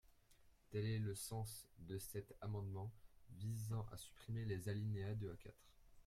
Tel est le sens de cet amendement visant à supprimer les alinéas deux à quatre.